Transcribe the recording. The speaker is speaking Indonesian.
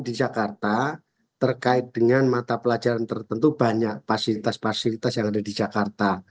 di jakarta terkait dengan mata pelajaran tertentu banyak fasilitas fasilitas yang ada di jakarta